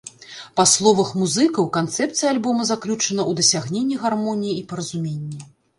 Па словах музыкаў, канцэпцыя альбома заключана ў дасягненні гармоніі і паразуменні.